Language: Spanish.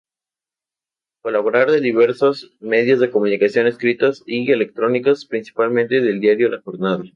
Colaborador de diversos medios de comunicación escritos y electrónicos, principalmente del diario La Jornada.